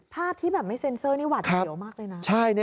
ภาพที่แบบไม่เซ็นเซอร์นี่หวัดเสียวมากเลยนะ